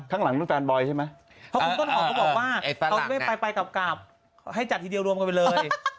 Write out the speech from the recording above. แฟนท้องก็บอกว่าไปกลับให้จัดทีเรียลวมกันไปเลย